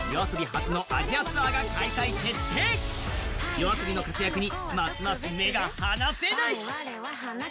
ＹＯＡＳＯＢＩの活躍にますます目が離せない。